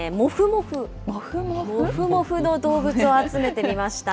もふもふの動物を集めてみました。